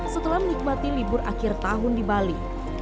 setelah menikmati libur akhir tahun di bali